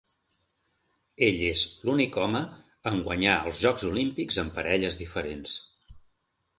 Ell és l'únic home en guanyar els Jocs Olímpics amb parelles diferents.